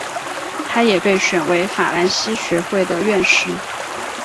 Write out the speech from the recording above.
他也被选为法兰西学会的院士。